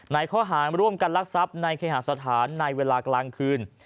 ในข้อหารร่วมกันรักทรัพย์ในเคหาสถานในเวลากลางคืน